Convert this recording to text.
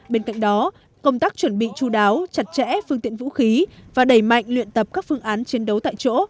bên cạnh đó công tác chuẩn bị chú đáo chặt chẽ phương tiện vũ khí và đẩy mạnh luyện tập các phương án chiến đấu tại chỗ